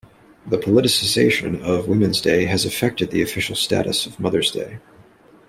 The politicization of Women's Day has affected the official status of Mother's Day.